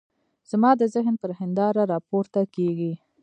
زما د ذهن پر هنداره را پورته کېږي.